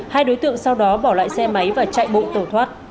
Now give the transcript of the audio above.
hai đối tượng sau đó bỏ lại xe máy và chạy bộ tẩu thoát